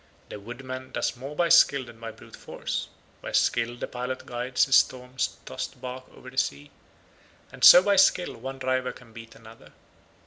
The woodman does more by skill than by brute force; by skill the pilot guides his storm tossed barque over the sea, and so by skill one driver can beat another.